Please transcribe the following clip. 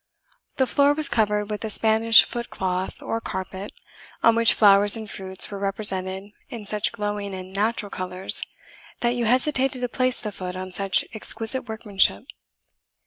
The floor was covered with a Spanish foot cloth, or carpet, on which flowers and fruits were represented in such glowing and natural colours, that you hesitated to place the foot on such exquisite workmanship.